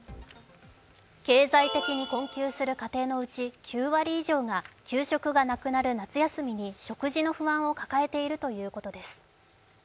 経済的に困窮する家庭のうち、９割以上が給食がなくなる夏休みに食事の不安を抱えているということです。